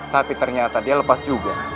tapi ternyata dia lepas juga